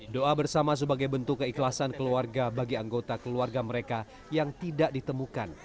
doa bersama sebagai bentuk keikhlasan keluarga bagi anggota keluarga mereka yang tidak ditemukan